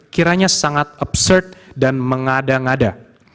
kiranya sangat obsert dan mengada ngada